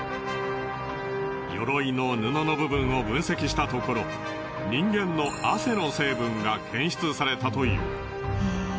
鎧の布の部分を分析したところ人間の汗の成分が検出されたという。